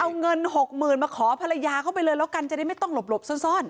เอาเงินหกหมื่นมาขอภรรยาเข้าไปเลยแล้วกันจะได้ไม่ต้องหลบซ่อน